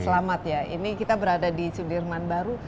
selamat ya ini kita berada di sudirman baru